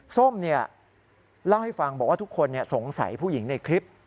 ส้มเล่าให้ฟังบอกว่าทุกคนสงสัยผู้หญิงในคลิป